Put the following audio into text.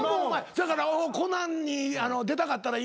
だから『コナン』に出たかったら。